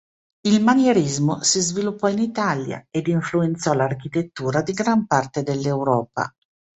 Il Manierismo si sviluppò in Italia ed influenzò l'architettura di gran parte dell'Europa.